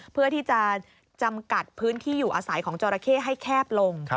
เพื่อที่จะจำกัดพื้นที่อยู่อาศัยของจอราเข้ให้แคบลง